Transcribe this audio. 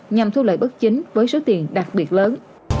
nhằm thu lợi bất chính với số tiền đặc biệt lớn